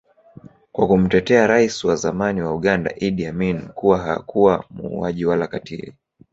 kwa kumtetea rais wa zamani wa Uganda Idi Amin kuwa hakuwa muuaji Wala katili